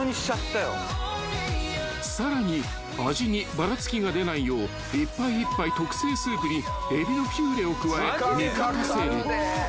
［さらに味にばらつきが出ないよう一杯一杯特製スープにエビのピューレを加え煮立たせる］